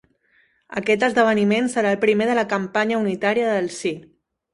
Aquest esdeveniment serà el primer de la campanya unitària del sí.